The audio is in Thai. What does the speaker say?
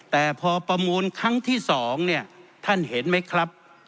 แต่พอประมูลครั้งที่๒เนี่ยท่านเห็นไหมครับ